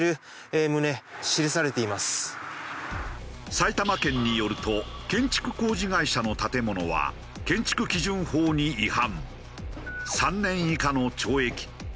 埼玉県によると建築工事会社の建物は建築基準法に違反。